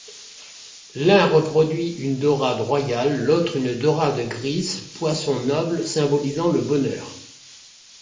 L'un reproduit une daurade royale, l'autre une daurade grise, poissons nobles symbolisant le bonheur.